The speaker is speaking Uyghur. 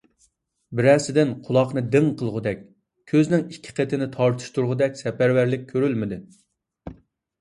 بىرەسىدىن قۇلاقنى دىڭ قىلغۇدەك، كۆزنىڭ ئىككى قېتىنى تارتىشتۇرغىدەك سەپەرۋەرلىك كۆرۈلمىدى.